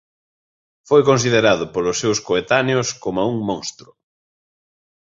Foi considerado polos seus coetáneos como un «"monstro"».